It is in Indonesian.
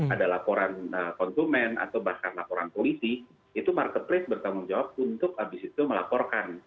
ada laporan konsumen atau bahkan laporan polisi itu marketplace bertanggung jawab untuk habis itu melaporkan